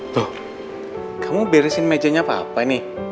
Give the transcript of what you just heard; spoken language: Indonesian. tuh kamu beresin mejanya papa nih